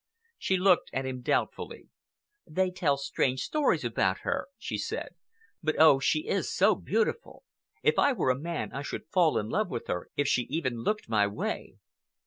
She looked at him doubtfully. "They tell strange stories about her," she said; "but oh, she is so beautiful! If I were a man, I should fall in love with her if she even looked my way."